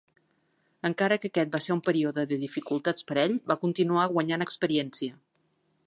Encara que aquest va ser un període de dificultats per a ell, va continuar guanyant experiència.